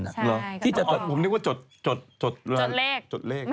ใช่ก็ต้องอ๋อผมนึกว่าจดจดเรื่องจดเลข